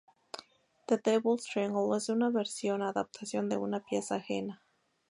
The Devils Triangle es una versión o adaptación de una pieza ajena.